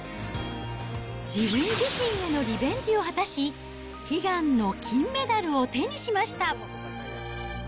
自分自身へのリベンジを果たし、悲願の金メダルを手にしました。